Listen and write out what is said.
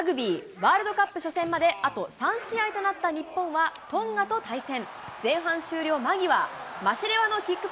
ワールドカップ初戦まで、あと３試合となった日本はトンガと対戦。